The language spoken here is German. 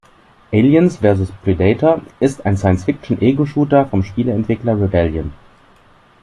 Aliens versus Predator ist ein Science-Fiction-Ego-Shooter vom Spieleentwickler Rebellion.